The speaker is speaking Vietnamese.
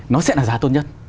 nó sẽ là giá tốt nhất